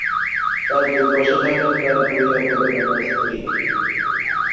তার দুপাশে থাকেন তার দুই অজ্ঞাতনামা স্ত্রী।